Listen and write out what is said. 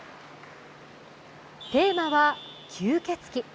テーマは吸血鬼。